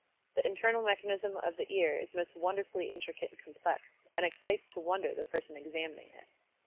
The internal mechanism of the ear is most wonderfully intricate and complex, and excites to wonder the person examining it.